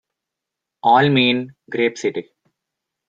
All mean Grape City.